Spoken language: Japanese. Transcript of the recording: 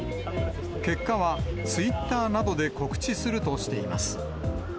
結果はツイッターなどで告知するとしています。